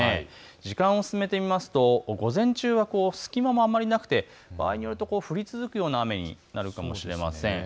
時間を進めてみますと午前中は隙間もあまりなくて場合によると降り続くような雨になるかもしれません。